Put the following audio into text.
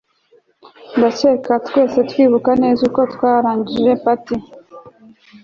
Ndakeka twese twibuka neza uko twarangije part